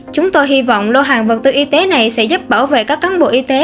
chúng tôi hy vọng lô hàng vật tư y tế này sẽ giúp bảo vệ các cán bộ y tế